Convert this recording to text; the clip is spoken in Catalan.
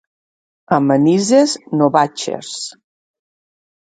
A Manises, novatxers.